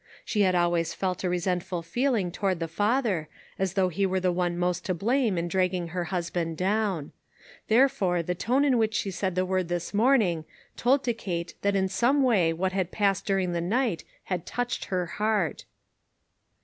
She had always felt a resentful feeling toward the father, as though he were the one most to blame in dragging her hus band down. Therefore, the tone in which she said the word this morning, told to Kate that in some way what had passed during the night had touched her heart.